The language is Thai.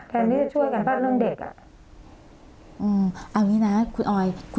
แทนที่จะช่วยกันปั้นเรื่องเด็กอ่ะอืมเอางี้นะคุณออย